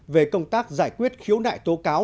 về công tác giải quyết khiếu nại tố cáo